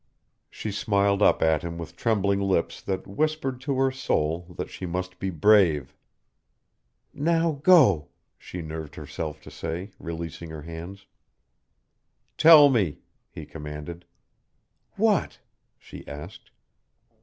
She smiled up at him with trembling lips that whispered to her soul that she must be brave. "Now go," she nerved herself to say, releasing her hands. "Tell me," he commanded. "What?" she asked.